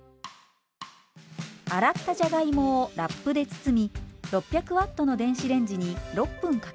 洗ったじゃがいもをラップで包み６００Ｗの電子レンジに６分かけます。